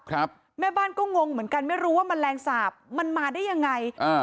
ครับแม่บ้านก็งงเหมือนกันไม่รู้ว่าแมลงสาปมันมาได้ยังไงอ่า